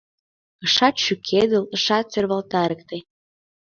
Ышат шӱкедыл, ышат сӧрвалтарыкте.